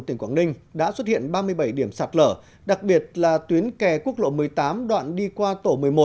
tỉnh quảng ninh đã xuất hiện ba mươi bảy điểm sạt lở đặc biệt là tuyến kè quốc lộ một mươi tám đoạn đi qua tổ một mươi một